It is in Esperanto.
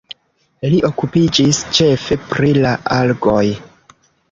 Li okupiĝis ĉefe pri la algoj.